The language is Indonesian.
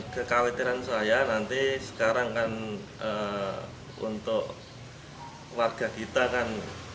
kekhawatiran saya nanti sekarang kan untuk warga kita kan